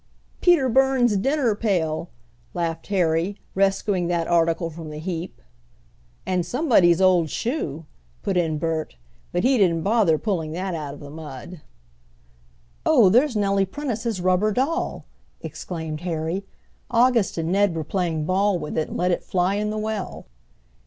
"Peter Burns' dinner pail," laughed Harry, rescuing that article from the heap. "And somebody's old shoe!" put in Bert, but he didn't bother pulling that out of the mud. "Oh, there's Nellie Prentice's rubber doll!" exclaimed Harry. "August and Ned were playing ball with it and let it fly in the well."